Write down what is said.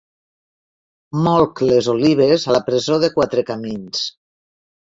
Molc les olives a la presó de Quatre Camins.